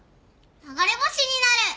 流れ星になる！